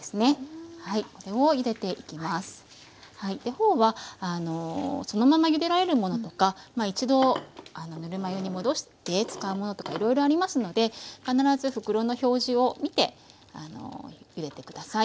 フォーはそのままゆでられるものとか一度ぬるま湯に戻して使うものとかいろいろありますので必ず袋の表示を見てゆでて下さい。